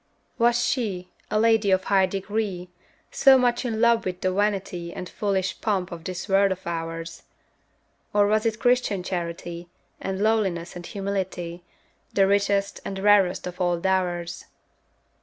Was she, a lady of high degree, So much in love with the vanity And foolish pomp of this world of ours? Or was it Christian charity, And lowliness and humility, The richest and rarest of all dowers?